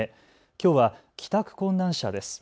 きょうは帰宅困難者です。